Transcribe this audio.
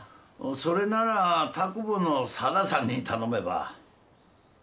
それなら田久保の定さんに頼めば